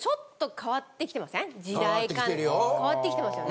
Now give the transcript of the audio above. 変わってきてるよ。